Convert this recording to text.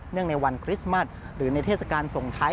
ในวันคริสต์มัสหรือในเทศกาลส่งท้าย